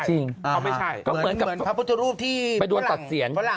เหมือนที่พระพุทธรูปที่